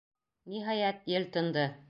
Ниһайәт, ел тынды.